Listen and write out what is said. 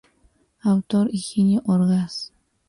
Autor: Higinio Orgaz.